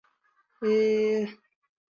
蓬勒瓦人口变化图示